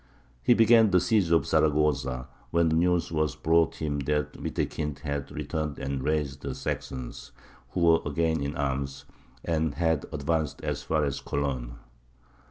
He began the siege of Zaragoza, when news was brought him that Wittekind had returned and raised the Saxons, who were again in arms, and had advanced as far as Cologne.